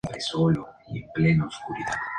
Tiene su sede central en Katmandú.